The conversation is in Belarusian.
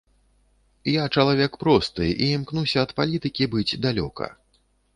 Я чалавек просты і імкнуся ад палітыкі быць далёка.